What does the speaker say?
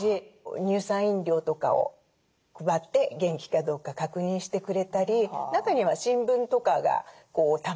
乳酸飲料とかを配って元気かどうか確認してくれたり中には新聞とかがたまっていないか。